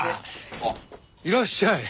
あっいらっしゃい。